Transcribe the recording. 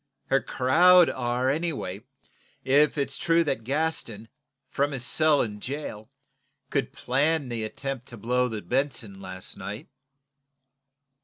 Her crowd are anyway, if it's true that Gaston, from his cell in jail, could plan the attempt to blow the 'Benson' last night."